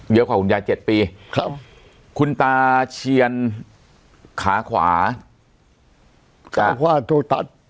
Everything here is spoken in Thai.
เยอะกว่าคุณยายเจ็ดปีครับคุณตาเชียรขาขวาขาขวาถูกตัด